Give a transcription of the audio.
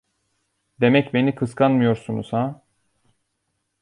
Demek beni kıskanmıyorsunuz ha?